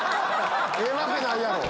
ええわけないやろ！